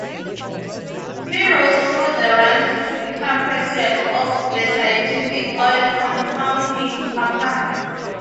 He rose through the ranks to become president of the Scientific Oil Compounding Company.